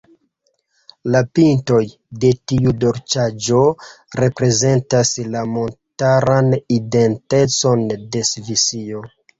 La "pintoj" de tiu dolĉaĵo reprezentas la montaran identecon de Svisio.